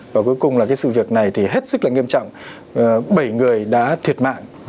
và cuối cùng là cái sự việc này thì hết sức là nghiêm trọng bảy người đã thiệt mạng